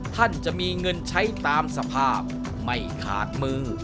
ท่านจะมีเงินใช้ตามสภาพไม่ขาดมือ